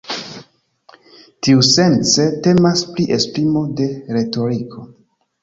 Tiusence temas pri esprimo de retoriko.